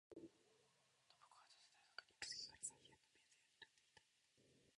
信子は女子大学にゐた時から、才媛の名声を担ってゐた。